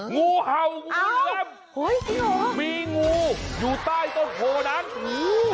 งูเห่ามีงูอยู่ใต้ต้นโพนั้น